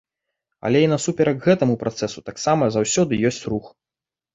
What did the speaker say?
Але і насуперак гэтаму працэсу таксама заўсёды ёсць рух.